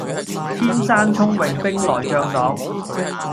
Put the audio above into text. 天生聰穎兵來將擋